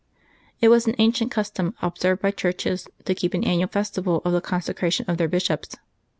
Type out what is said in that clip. It was an ancient custom observed by churches to keep an annual festival of the consecration of their bishops.